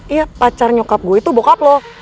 iya pacar nyokap gua itu bokap lu